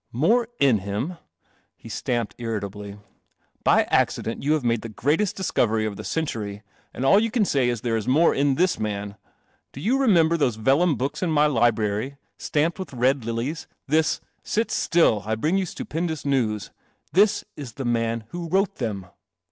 " More in him ?" He stamped irritably. " By accident you have made the greatest discovery of the century, and all you can say is that there is more in this man. Do you remember those vellum books in my library, stamped with red lilies? This — sit still, I bring you stupendous news !— this is the man who wrote them."